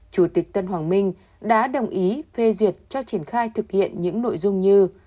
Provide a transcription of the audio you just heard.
chủ tịch tân hoàng minh đã đồng ý phê duyệt cho triển khai thực hiện những nội dung như